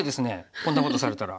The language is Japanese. こんなことされたら。